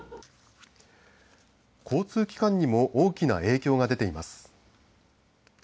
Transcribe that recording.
交通機関にも大きな影響が出ています。